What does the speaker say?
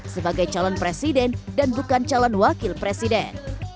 sebagai calon presiden dan bukan calon wakil presiden